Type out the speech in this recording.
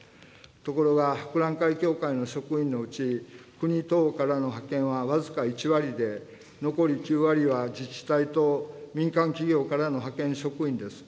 ところが博覧会協会の職員のうち、国等からの派遣は僅か１割で、残り９割は自治体と民間企業からの派遣職員です。